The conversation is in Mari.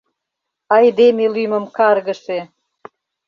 Айдеме лӱмым каргыше!..